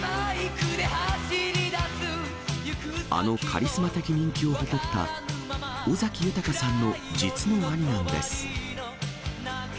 あのカリスマ的人気を誇った、尾崎豊さんの実の兄なんです。